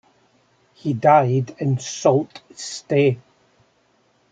He died in Sault Ste.